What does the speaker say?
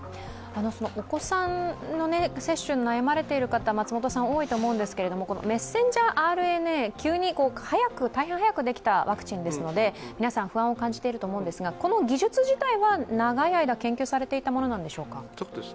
お子さんの接種に悩まれている方、多いと思うんですけれどもメッセンジャーＲＮＡ、大変急に早くできたワクチンですので皆さん不安を感じていると思うんですが、この技術自体は長い間、研究されていたものでしょうか。